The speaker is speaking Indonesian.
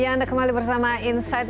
ya anda kembali bersama insight